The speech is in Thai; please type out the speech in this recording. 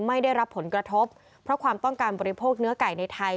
ไม่ได้รับผลกระทบเพราะความต้องการบริโภคเนื้อไก่ในไทย